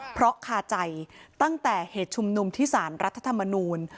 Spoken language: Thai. เพราะคาใจตั้งแต่เหตุชุมนุมที่สารรัฐธรรมนูล